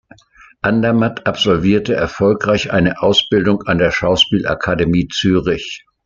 Andermatt absolvierte erfolgreich eine Ausbildung an der Schauspielakademie Zürich.